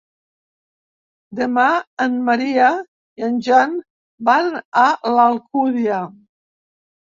Demà en Maria i en Jan van a l'Alcúdia.